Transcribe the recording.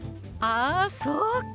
あそうか！